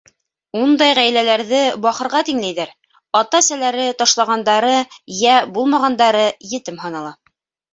Ундай ғаиләләрҙе бахырға тиңләйҙәр, ата-әсәләре ташлағандары йә булмағандары етем һанала.